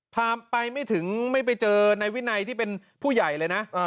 พาไปไม่ถึงไม่ไปเจอนายวินัยที่เป็นผู้ใหญ่เลยนะ